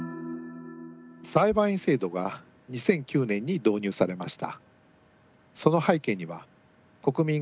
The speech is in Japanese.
裁判員制度が２００９年に導入されました。